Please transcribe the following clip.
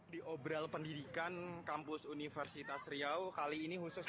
di obral pendidikan kampus universitas riau kali ini khusus